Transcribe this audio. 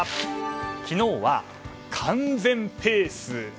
昨日は完全ペース。